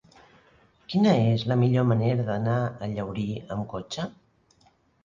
Quina és la millor manera d'anar a Llaurí amb cotxe?